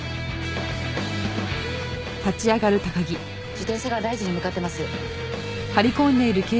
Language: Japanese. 自転車が大臣に向かってます。